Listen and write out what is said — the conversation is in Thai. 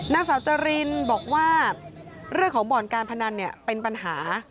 นางสาวจรินบอกว่าเรื่องของบ่อนการพนันเนี่ยเป็นปัญหา